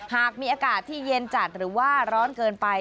หากมีอากาศที่เย็นจัดหรือว่าร้อนเกินไป